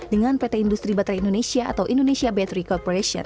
dengan pt industri baterai indonesia atau indonesia baterai corporation